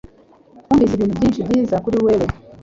Twumvise ibintu byinshi byiza kuri wewe